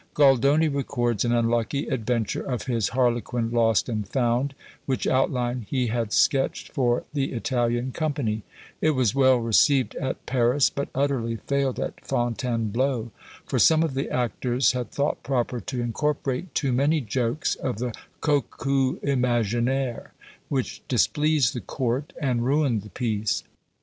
Goldoni records an unlucky adventure of his "Harlequin Lost and Found," which outline he had sketched for the Italian company; it was well received at Paris, but utterly failed at Fontainebleau, for some of the actors had thought proper to incorporate too many jokes of the "Cocu Imaginaire," which displeased the court, and ruined the piece.